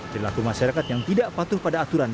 perilaku masyarakat yang tidak patuh pada aturan